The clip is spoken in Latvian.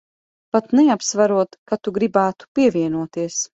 Pat neapsverot, ka tu gribētu pievienoties.